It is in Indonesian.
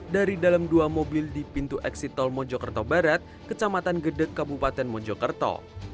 dari dalam dua mobil di pintu eksit tol mojokerto barat kecamatan gedek kabupaten mojokerto